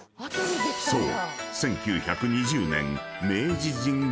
［そう］